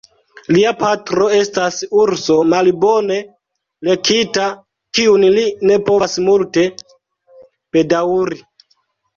Lia patro estas urso malbone lekita, kiun li ne povas multe bedaŭri.